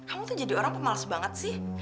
kamu tuh jadi orang pemales banget sih